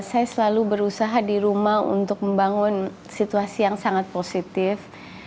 saya selalu berusaha di rumah untuk membangun situasi yang sangat positif